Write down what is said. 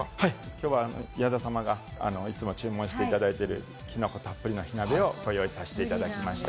今日は矢田様がいつも注文していただいているキノコたっぷりの火鍋をご用意させていただきました。